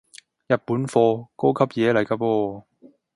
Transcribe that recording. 日本貨，高級嘢嚟個噃